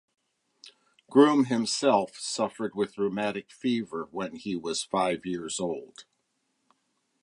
Groom himself suffered with rheumatic fever when he was five years old.